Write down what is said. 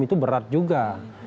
itu berat juga